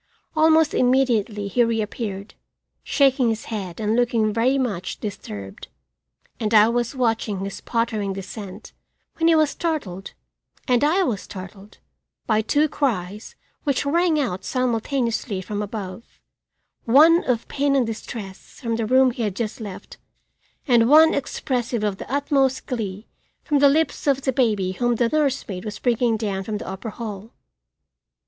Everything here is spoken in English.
Almost immediately he reappeared, shaking his head and looking very much disturbed, and I was watching his pottering descent when he was startled, and I was startled, by two cries which rang out simultaneously from above, one of pain and distress from the room he had just left, and one expressive of the utmost glee from the lips of the baby whom the nursemaid was bringing down from the upper hall.